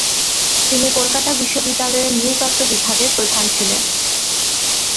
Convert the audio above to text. তিনি কলকাতা বিশ্ববিদ্যালয়ের নৃতত্ত্ব বিভাগের প্রধান ছিলেন।